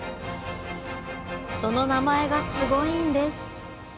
その名前がすごいんです！